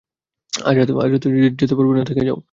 আজরাতে যেতে পারবে না, থেকে যাও।